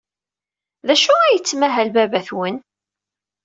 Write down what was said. D acu ay yettmahal baba-twen?